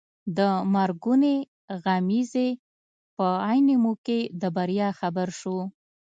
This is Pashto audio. د مرګونې غمیزې په عین موقع د بریا خبر شو.